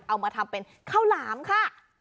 เอามาทำเป็นข้าวหลามค่ะ